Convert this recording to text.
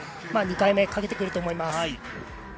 ２回目、かけてくると思います。